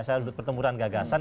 saya berbicara pertempuran gagasan